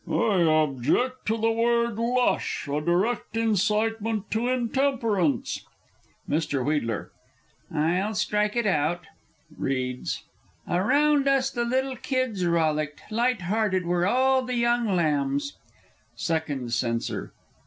_ I object to the word "lush" a direct incitement to intemperance! Mr. W. I'll strike it out. (Reads.) "Around us the little kids rollicked, Lighthearted were all the young lambs " _Second Censor.